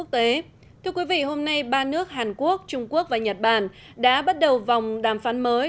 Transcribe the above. thưa quý vị hôm nay ba nước hàn quốc trung quốc và nhật bản đã bắt đầu vòng đàm phán mới